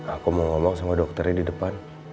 aku mau ngomong sama dokternya di depan